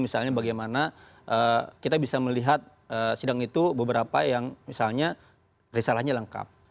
misalnya bagaimana kita bisa melihat sidang itu beberapa yang misalnya risalahnya lengkap